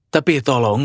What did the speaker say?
tapi tolong wawancaranya